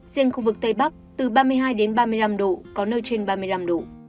riêng khu vực tây bắc từ ba mươi hai đến ba mươi năm độ có nơi trên ba mươi năm độ